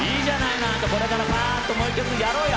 これからパっともう一曲やろうよ！